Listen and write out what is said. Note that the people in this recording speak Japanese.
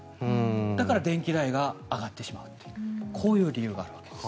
だから電気代が上がってしまうというこういう理由があるんです。